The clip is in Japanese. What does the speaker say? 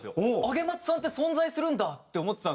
上松さんって存在するんだって思ってたんですけど。